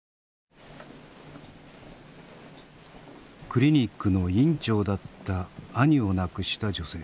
クリニックの院長だった兄を亡くした女性。